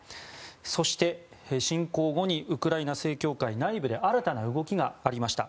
そして、侵攻後にウクライナ正教会内部で新たな動きがありました。